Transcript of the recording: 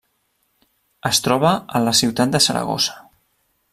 Es troba a la ciutat de Saragossa.